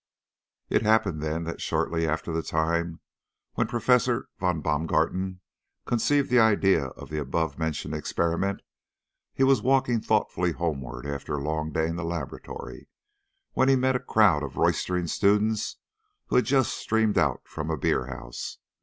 It happened, then, that shortly after the time when Professor von Baumgarten conceived the idea of the above mentioned experiment, he was walking thoughtfully homewards after a long day in the laboratory, when he met a crowd of roystering students who had just streamed out from a beer house.